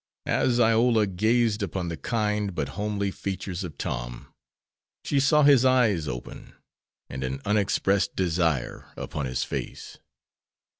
As Iola gazed upon the kind but homely features of Tom, she saw his eyes open and an unexpressed desire upon his face.